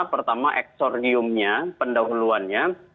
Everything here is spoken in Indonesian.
pertama eksoriumnya pendahuluannya